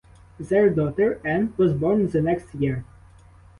Their daughter Ann was born the next year.